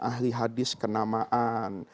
ahli hadis kenamaan